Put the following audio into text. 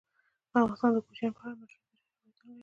افغانستان د کوچیان په اړه مشهور تاریخی روایتونه لري.